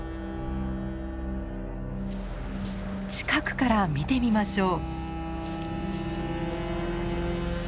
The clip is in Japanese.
近くから見てみましょう。